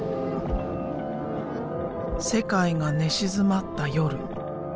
世界が寝静まった夜。